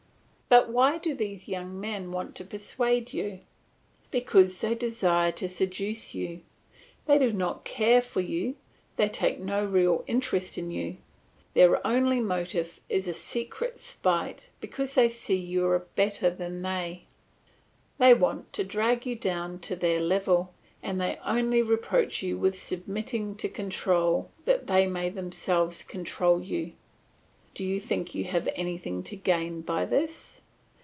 But why do these young men want to persuade you? Because they desire to seduce you; they do not care for you, they take no real interest in you; their only motive is a secret spite because they see you are better than they; they want to drag you down to their own level, and they only reproach you with submitting to control that they may themselves control you. Do you think you have anything to gain by this?